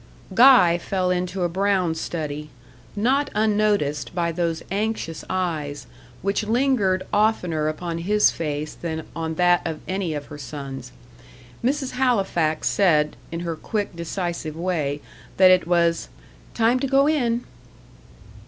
Guy fell into a brown study, not unnoticed by those anxious eyes, which lingered oftener upon his face than on that of any of her sons. Mrs. Halifax said, in her quick, decisive way, that it was "time to go in."